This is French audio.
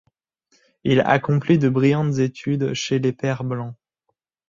Il accomplit de brillantes études chez les Pères blancs.